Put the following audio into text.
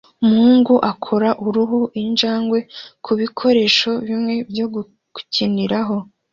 Umuhungu akora uruhu-injangwe kubikoresho bimwe byo gukiniraho